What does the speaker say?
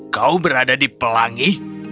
kau berada di pelangi